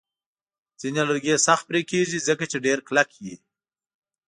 ځینې لرګي سخت پرې کېږي، ځکه چې ډیر کلک وي.